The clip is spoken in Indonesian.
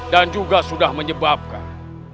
dan juga sudah menyebabkan